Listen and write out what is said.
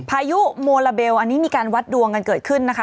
พายุโมลาเบลอันนี้มีการวัดดวงกันเกิดขึ้นนะคะ